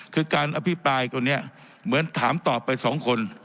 คือการอภิปรายคนนี้เหมือนถามตอบไปสองคน